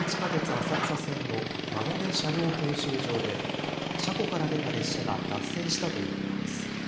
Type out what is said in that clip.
浅草線の馬込車両検修場で車庫から出た列車が脱線したということです。